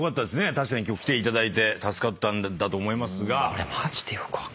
確かに今日来ていただいて助かったんだと思いますが。